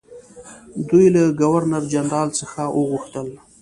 دوی له ګورنرجنرال څخه وغوښتل.